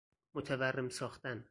متورم ساختن